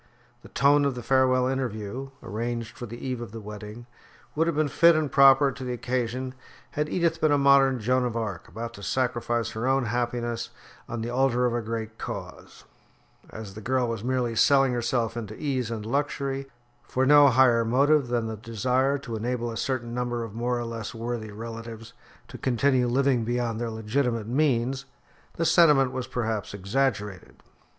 The tone of the farewell interview, arranged for the eve of the wedding, would have been fit and proper to the occasion had Edith been a modern Joan of Arc about to sacrifice her own happiness on the altar of a great cause; as the girl was merely selling herself into ease and luxury, for no higher motive than the desire to enable a certain number of more or less worthy relatives to continue living beyond their legitimate means, the sentiment was perhaps exaggerated.